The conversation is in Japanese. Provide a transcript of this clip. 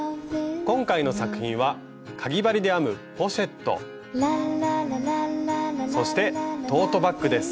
今回の作品はかぎ針で編むポシェットそしてトートバッグです。